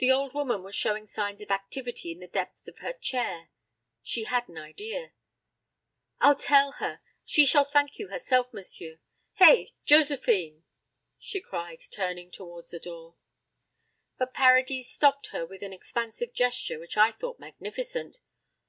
The old woman was showing signs of activity in the depths of her chair; she had an idea. "I'll tell her! She shall thank you herself, monsieur! Hey, Josephine!" she cried, turning towards a door. But Paradis stopped her with an expansive gesture which I thought magnificent.